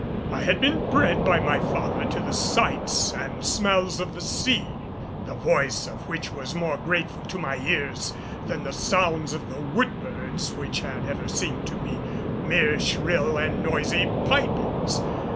I had been bred by my father to the sights and smells of the sea, the voice of which was more grateful to my ears than the sounds of the wood birds which had ever seemed to me mere shrill and noisy pipings.